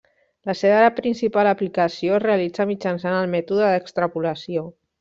La seva principal aplicació es realitza mitjançant el mètode d'extrapolació.